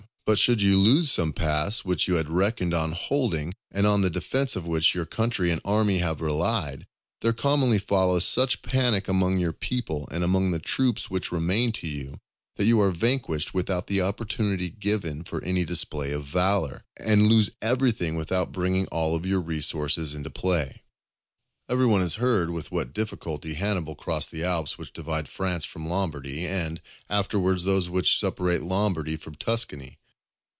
But should you lose some pass which you had reckoned on holding, and on the defence of which your country and army have relied, there commonly follows such panic among your people and among the troops which remain to you, that you are vanquished without opportunity given for any display of valour, and lose everything without bringing all your resources into play. Every one has heard with what difficulty Hannibal crossed the Alps which divide France from Lombardy, and afterwards those which separate Lombardy from Tuscany.